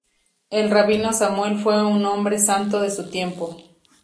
El Rabino Samuel fue un hombre santo de su tiempo.